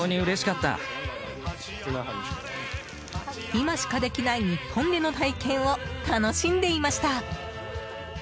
今しかできない日本での体験を楽しんでいました。